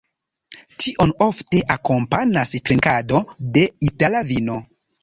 Tion ofte akompanas trinkado de itala vino.